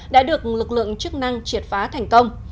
đã được lực lượng chức năng triệt phá thành công